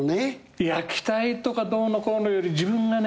いや期待とかどうのこうのより自分がね